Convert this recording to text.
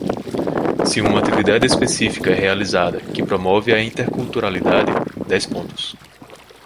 Se uma atividade específica é realizada que promove a interculturalidade: dez pontos.